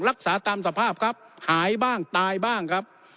รักษาตามสภาพครับหายบ้างตายบ้างครับ